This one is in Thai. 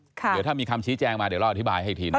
เดี๋ยวถ้ามีคำชี้แจงมาเดี๋ยวเราอธิบายให้อีกทีหนึ่ง